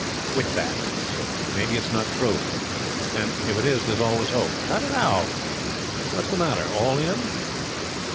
'Quit that,' he said. 'Maybe it's not true. And if it is, there's always hope. Cut it out. What's the matter? All in?'